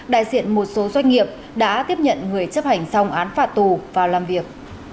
đại diện một số doanh nghiệp đã tiếp nhận người chấp hành xong án phạt tù vào làm việc